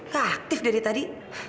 gak aktif dari tadi